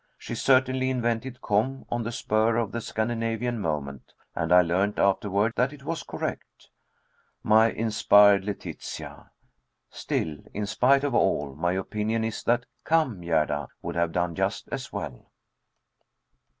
She certainly invented Kom on the spur of the Scandinavian moment, and I learned afterward that it was correct. My inspired Letitia! Still, in spite of all, my opinion is that "Come, Gerda," would have done just as well.